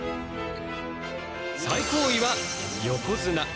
最高位は横綱。